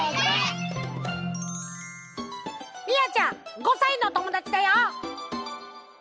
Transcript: みやちゃん５さいのおともだちだよ。